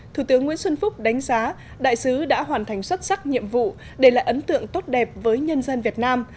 thủ tướng nguyễn xuân phúc đánh giá đại sứ đã hoàn thành xuất sắc nhiệm vụ để lại ấn tượng tốt đẹp với nhân dân việt nam